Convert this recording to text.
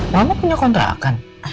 mama punya kontrakan